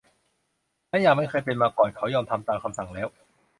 และอย่างไม่เคยเป็นมาก่อน เขายอมทำตามคำสั่งแล้ว